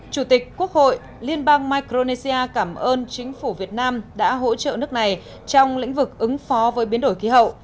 chủ tịch quốc hội liên bang micronesia cảm ơn chính phủ việt nam đã hỗ trợ nước này trong lĩnh vực ứng phó với biến đổi khí hậu